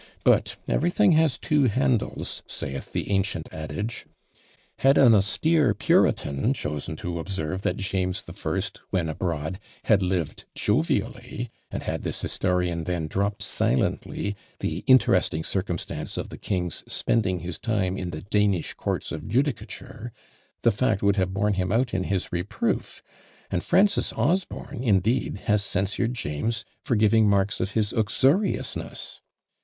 But everything has two handles, saith the ancient adage. Had an austere puritan chosen to observe that James the First, when abroad, had lived jovially; and had this historian then dropped silently the interesting circumstance of the king's "spending his time in the Danish courts of judicature," the fact would have borne him out in his reproof; and Francis Osborne, indeed, has censured James for giving marks of his uxoriousness!